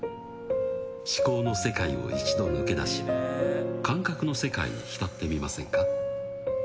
思考の世界を一度抜け出し感覚の世界に浸ってみませんか。